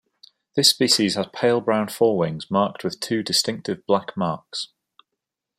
This species has pale brown forewings marked with two distinctive black marks.